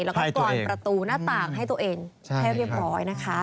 ให้ตัวเองแล้วก็กรอนประตูหน้าต่างให้ตัวเองแค่เรียบร้อยนะคะ